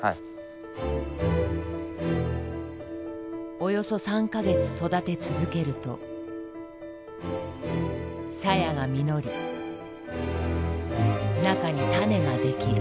およそ３か月育て続けるとサヤが実り中に種ができる。